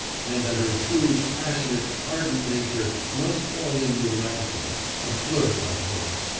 And that her true, passionate, ardent nature must fall in with an actor, a flirt like this!